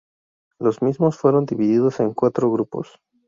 Los mismos fueron divididos en cuatros grupos.